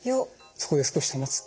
そこで少し保つ。